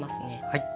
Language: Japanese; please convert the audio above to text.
はい。